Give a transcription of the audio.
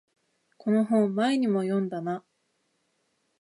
この本前にも読んだな